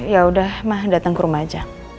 ya udah mah datang ke rumah aja